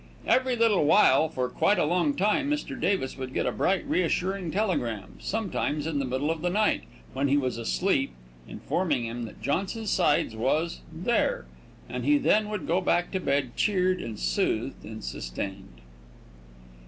Every little while for quite a long time Mr. Davis would get a bright, reassuring telegram, sometimes in the middle of the night, when he was asleep, informing him that Johnson Sides was "there," and he then would go back to bed cheered and soothed and sustained.